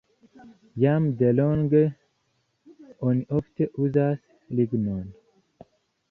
Jam delonge oni ofte uzas lignon.